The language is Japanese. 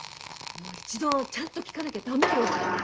一度ちゃんと聞かなきゃ駄目よ。